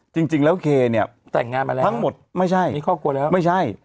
จริงแล้วเคเนี่ยแต่งงานมาแล้วทั้งหมดไม่ใช่มีครอบครัวแล้วไม่ใช่